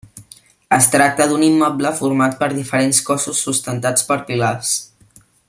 Es tracta d'un immoble format per diferents cossos sustentats per pilars.